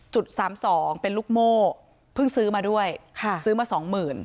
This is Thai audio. สามสองเป็นลูกโม่เพิ่งซื้อมาด้วยค่ะซื้อมาสองหมื่น